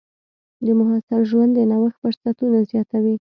د محصل ژوند د نوښت فرصتونه زیاتوي.